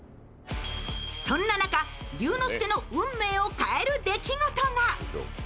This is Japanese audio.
そんな中、龍之介の運命を変える出来事が。